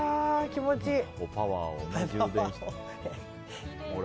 気持ちいい。